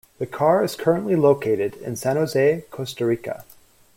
The car is currently located in San Jose, Costa Rica.